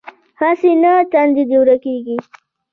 هسې نه تندی دې ولګېږي.